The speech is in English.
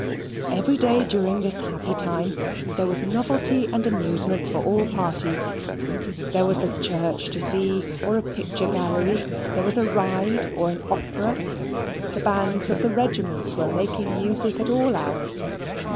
Every day during this happy time there was novelty and amusement for all parties. There was a church to see, or a picture gallery there was a ride, or an opera. The bands of the regiments were making music at all hours.